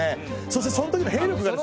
そしてその時の兵力が。